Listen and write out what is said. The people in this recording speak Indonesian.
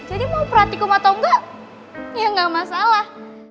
jadi mau praktikum atau enggak ya gak masalah